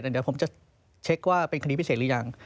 เดี๋ยวผมจะเช็คว่าเป็นคดีพิเศษหรือยัง